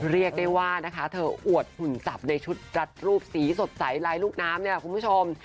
เรียกได้ว่านะคะเธออวดหุ่นสับในชุดรัดรูปสีสดใสลายลูกน้ำเนี่ยคุณผู้ชม